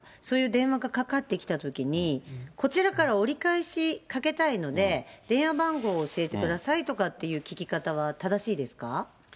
ぜひ質問攻めにしてもらいたいな例えば、そういう電話がかかってきたときに、こちらから折り返しかけたいので、電話番号を教えてくださいっていうような聞き方は正しいですか。